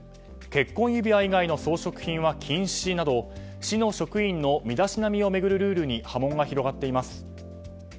結婚指輪以外の装飾品は禁止など市の職員の身だしなみを巡るルールに波紋が広がっています。